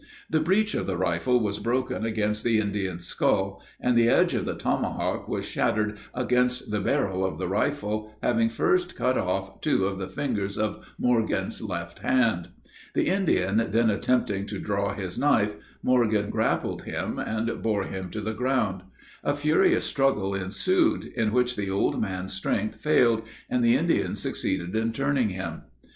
The breech of the rifle was broken against the Indian's skull, and the edge of the tomahawk was shattered against the barrel of the rifle, having first cut off two of the fingers of Morgan's left hand. The Indian then attempting to draw his knife, Morgan grappled him, and bore him to the ground. A furious struggle ensued, in which the old man's strength failed, and the Indian succeeded in turning him.